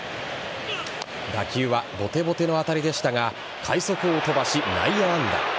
打球はボテボテの当たりでしたが快足を飛ばし、内野安打。